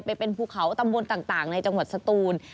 ไปเป็นภูเขาตำบลต่างในจังหวัดสตูน